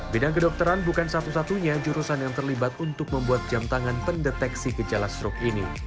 bidang kedokteran bukan satu satunya jurusan yang terlibat untuk membuat jam tangan pendeteksi gejala stroke ini